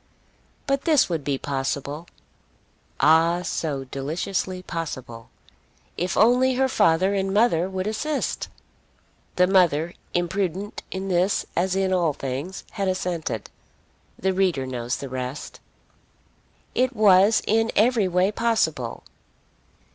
But this would be possible, ah, so deliciously possible, if only her father and mother would assist! The mother, imprudent in this as in all things, had assented. The reader knows the rest. It was in every way possible.